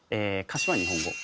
歌詞は日本語。